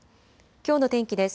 きょうの天気です。